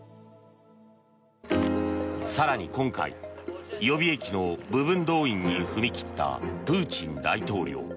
更に今回、予備役の部分動員に踏み切ったプーチン大統領。